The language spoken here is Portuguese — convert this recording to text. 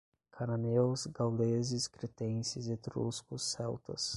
Cananeus, gauleses, cretenses, etruscos, celtas